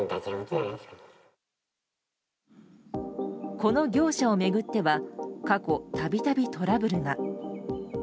この業者を巡っては過去、たびたびトラブルが。